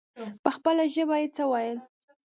په خپله ژبه يې څه ويل.